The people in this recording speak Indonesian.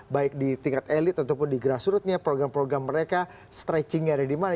baik di tingkat elit ataupun di grassrootnya program program mereka stretchingnya ada di mana